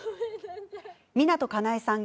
湊かなえさん